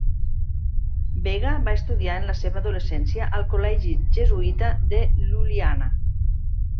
Vega va estudiar en la seva adolescència al col·legi jesuïta de Ljubljana.